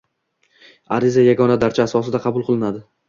ariza “yagona darcha” asosida qabul qilinadi.